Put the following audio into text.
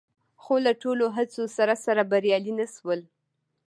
خو له ټولو هڅو سره سره بریالي نه شول